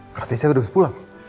berarti saya udah bisa pulang